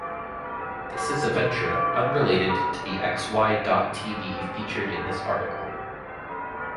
This is a venture unrelated to the xy dot TV featured in this article.